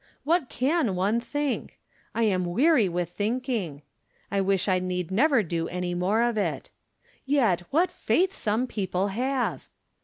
What can one think ? I am weary with think ing. I wish I need never do any more of it. Yet, what faith some people have